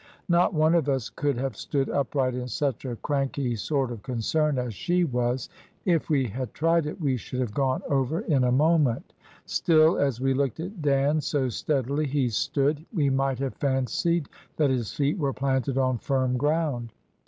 Not one of us could have stood upright in such a cranky sort of concern as she was; if we had tried it, we should have gone over in a moment; still, as we looked at Dan, so steadily he stood, we might have fancied that his feet were planted on firm ground.